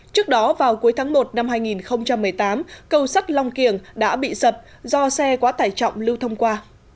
trước đó vào cuối tháng một năm hai nghìn một mươi tám cầu sắt long kiềng đã bị sập do xe quá tải trọng lưu thông qua